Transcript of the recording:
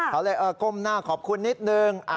เขาเลยก้มหน้าขอบคุณนิดนึง